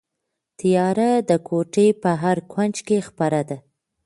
تیاره د کوټې په هر کونج کې خپره ده.